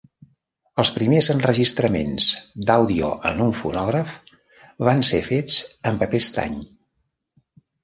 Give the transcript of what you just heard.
Els primers enregistraments d'àudio en un fonògraf van ser fets en paper estany.